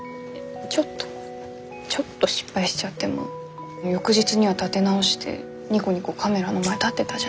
ちょっとちょっと失敗しちゃっても翌日には立て直してニコニコカメラの前立ってたじゃないですか。